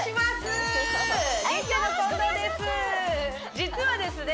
実はですね